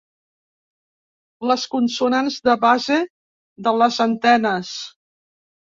Les consonants de base de les antenes.